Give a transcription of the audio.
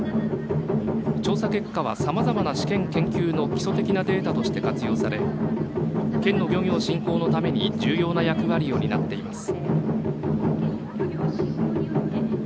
調査結果はさまざまな試験研究の基礎的なデータとして活用され県の漁業振興のために重要な役割を担っています。